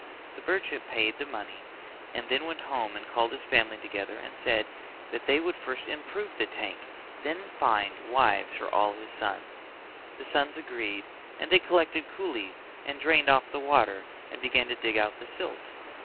The merchant paid the money and then went home and called his family together and said that they would first improve the tank and then find wives for all his sons. The sons agreed and they collected coolies and drained off the water and began to dig out the silt.